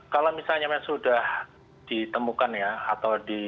kalau misalnya sudah ditemukan ya atau